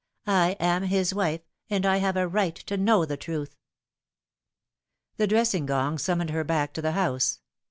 I am his wife, and I have a right to know the truth." The dressing gong summoned her back to the house.